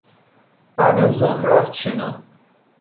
بعدازظهر رفت شنا